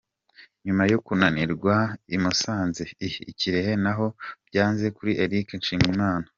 Nyuma yo kunanirirwa i Musanze, i Kirehe naho byanze kuri Eric Nshimiyimana.